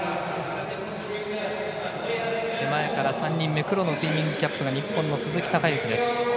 手前から３人目黒のスイミングキャップが日本の鈴木孝幸です。